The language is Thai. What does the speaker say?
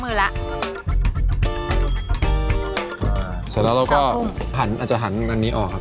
เสร็จแล้วเราก็หันอาจจะหันอันนี้ออกครับ